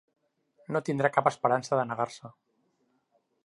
No tindrà cap esperança de negar-se.